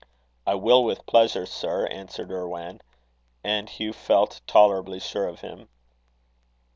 "I will with pleasure, sir," answered Irwan, and Hugh felt tolerably sure of him.